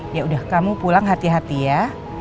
ya udah kamu pulang hati hati ya